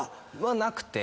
なくて。